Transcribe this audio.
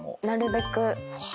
なるべく。